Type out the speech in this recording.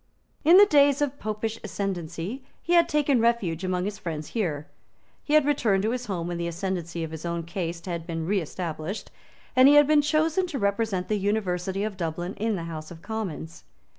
In the days of Popish ascendancy he had taken refuge among his friends here; he had returned to his home when the ascendancy of his own caste had been reestablished; and he had been chosen to represent the University of Dublin in the House of Commons.